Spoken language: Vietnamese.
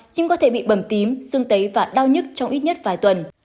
nhưng có thể bị bầm tím xương tấy và đau nhức trong ít nhất vài tuần